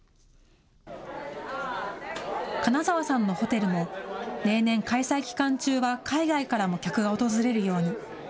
金澤さんのホテルも、例年、開催期間中は海外からも客が訪れるように。